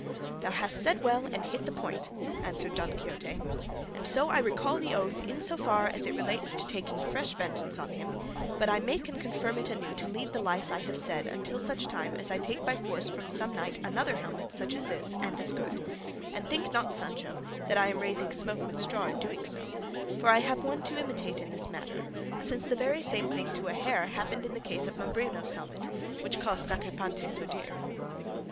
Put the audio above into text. "Thou hast said well and hit the point," answered Don Quixote; and so I recall the oath in so far as relates to taking fresh vengeance on him, but I make and confirm it anew to lead the life I have said until such time as I take by force from some knight another helmet such as this and as good; and think not, Sancho, that I am raising smoke with straw in doing so, for I have one to imitate in the matter, since the very same thing to a hair happened in the case of Mambrino's helmet, which cost Sacripante so dear."